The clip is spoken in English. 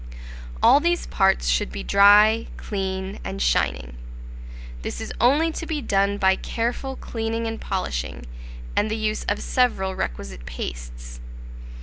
All these parts should be dry, clean, and shining. This is only to be done by careful cleaning and polishing, and the use of several requisite pastes.